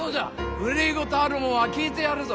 憂い事あるもんは聞いてやるぞ。